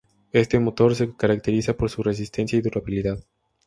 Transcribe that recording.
Este motor se caracteriza por su resistencia y durabilidad.